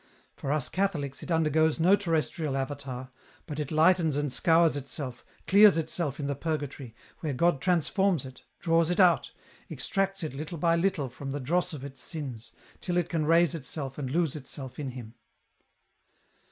For us Catholics it undergoes no terrestrial avatar, but it lightens and scours itself, clears itself in the Purgatory, where God transforms it, draws it out, extracts it little by little from the dross of its sins, till it can raise itself and lose itself in Him.